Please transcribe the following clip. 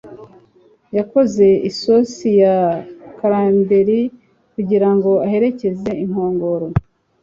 Yakoze isosi ya cranberry kugirango aherekeze inkongoro.